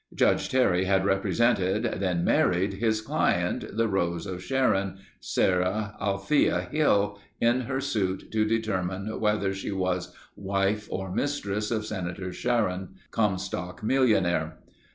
Judge Terry had represented, then married his client, the Rose of Sharon—Sarah Althea Hill—in her suit to determine whether she was wife or mistress of Senator Sharon, Comstock millionaire.